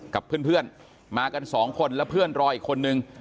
กับเพื่อนมากันสองคนแล้วเพื่อนรออีกคนนึง